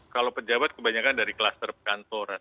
kalau pejabat kebanyakan dari kluster kantoran